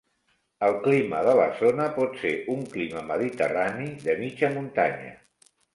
El clima de la zona pot ser un clima mediterrani de mitja muntanya.